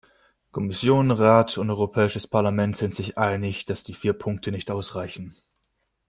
Kommission, Rat und Europäisches Parlament sind sich einig, dass die vier Punkte nicht ausreichen.